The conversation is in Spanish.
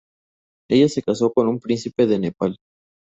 Ella se casó con un príncipe de Nepal.